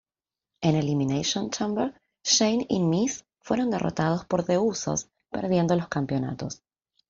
En Elimination Chamber, Shane y Miz fueron derrotados por The Usos, perdiendo los campeonatos.